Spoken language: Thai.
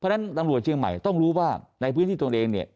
เพราะฉะนั้นตำรวจเชียงใหม่ต้องรู้ว่าในพื้นที่ตนเองเนี่ย